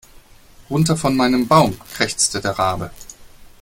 Runter von meinem Baum, krächzte der Rabe.